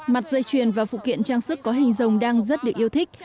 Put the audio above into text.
mặt dây chuyền và phụ kiện trang sức có hình rồng đang rất được yêu thích